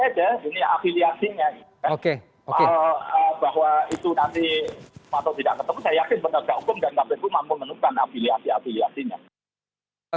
atau tidak ketemu saya yakin penegak hukum dan kppu mampu menemukan afiliasi afiliasinya